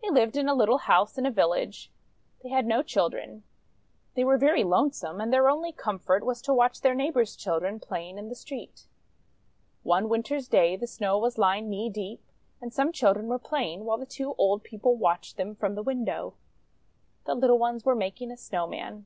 They lived in a little house in a village. They had no children. They were very lonesome, and their only comfort was to watch their neighbour's children playing in the street. One Winter's day the Snow was lying knee deep, and some children were playing, while the two old people watched them from the window. The little ones were making a Snow man.